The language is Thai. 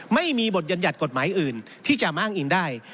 ไม่มีบทบัญญัติกฎหมายอื่นที่จะอ้างอิงได้